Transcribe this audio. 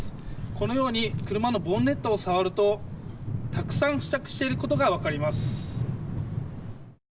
このように車のボンネットを触るとたくさん付着していることが分かります。